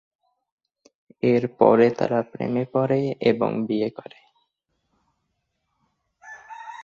এর পরে তারা প্রেমে পড়ে এবং বিয়ে করে।